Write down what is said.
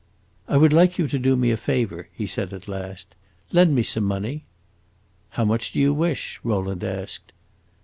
"I would like you to do me a favor," he said at last. "Lend me some money." "How much do you wish?" Rowland asked.